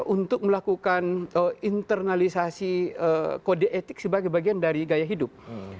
untuk melakukan internalisasi kode etik sebagai bagian dari gaya hidup